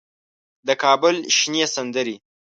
د کابل شنې سندرې